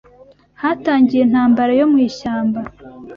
Hatangiye intambara yo mu ishyamba,